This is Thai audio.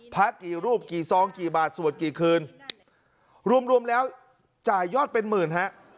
พระกี่รูปกี่ซองกี่บาทสวดกี่คืนรวมรวมแล้วจ่ายยอดเป็นหมื่นฮะ